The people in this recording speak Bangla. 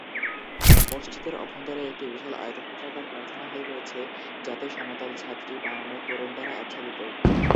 মসজিদের অভ্যন্তরে একটি বিশাল আয়তক্ষেত্রাকার প্রার্থনা হল রয়েছে যাতে সমতল ছাদটি বানানো তোরণ দ্বারা আচ্ছাদিত।